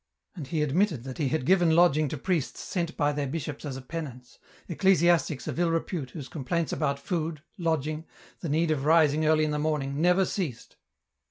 And he admitted that he had given lodging to priests sent by their bishops as a penance, ecclesiastics of ill repute whose complaints about food, lodging, the need of rising early in the morning, never ceased.